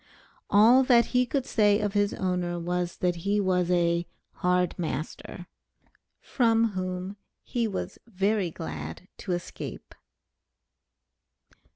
All that he could say of his owner, was, that he was a "hard master," from whom he was very glad to escape.